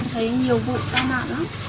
thấy nhiều vụ cao mạng lắm